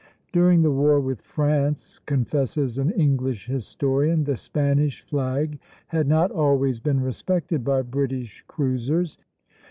"During the war with France," confesses an English historian, "the Spanish flag had not always been respected by British cruisers."